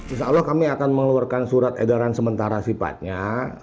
insya allah kami akan mengeluarkan surat edaran sementara sifatnya